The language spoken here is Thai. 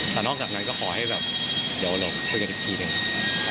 แต่นอกจากนั้นก็ขอให้แบบเดี๋ยวเราคุยกันอีกทีหนึ่ง